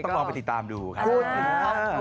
ลองไปติดตามดูครับ